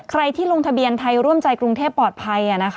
ใครที่ลงทะเบียนไทยร่วมใจกรุงเทพปลอดภัย